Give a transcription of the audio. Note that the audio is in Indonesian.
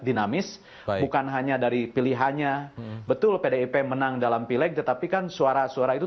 dinamis bukan hanya dari pilihannya betul pdip menang dalam pileg tetapi kan suara suara itu